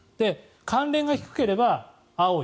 関連が低ければ青い。